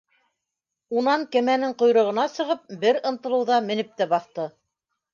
Унан, кәмәнең ҡойроғона сығып, бер ынтылыуҙа менеп тә баҫты.